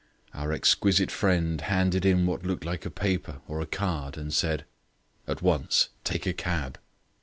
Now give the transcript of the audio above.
Our exquisite friend handed in what looked like a paper or a card and said: "At once. Take a cab."